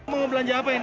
mau belanja apa ini